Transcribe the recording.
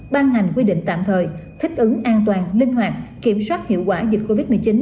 ban hành quy định tạm thời thích ứng an toàn linh hoạt kiểm soát hiệu quả dịch covid một mươi chín